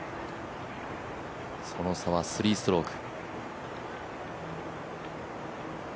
その差は３ストローク。